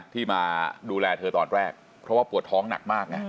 ที่มาดูแลเธอตอนแรกเพราะว่าปวดท้องหนักมากไง